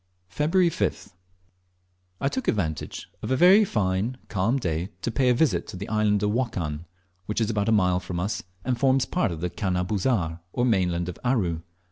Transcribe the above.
Feb 5th. I took advantage of a very fine calm day to pay a visit to the island of Wokan, which is about a mile from us, and forms part of the "canna busar," or mainland of Aru.